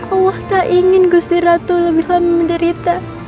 allah tak ingin gusti ratu lebih lama menderita